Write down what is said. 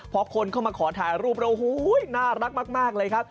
เพราะคนเข้ามาขอถ่ายรูปเราน่ารักมากเลยครับ